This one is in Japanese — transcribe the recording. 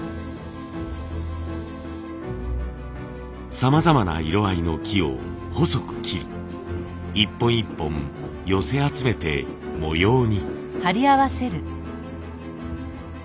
さまざまな色合いの木を細く切り一本一本寄せ集めて模様に。